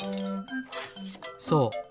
そう。